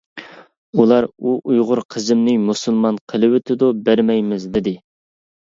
ئۇلار «ئۇ ئۇيغۇر قىزىمنى مۇسۇلمان قىلىۋېتىدۇ، بەرمەيمىز» دېدى.